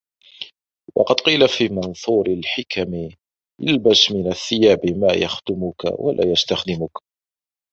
وَقَدْ قِيلَ فِي مَنْثُورِ الْحِكَمِ الْبَسْ مِنْ الثِّيَابِ مَا يَخْدُمُك وَلَا يَسْتَخْدِمُك